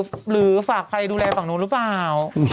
หรือฝากใครดูแลฝั่งนู้นหรือเปล่า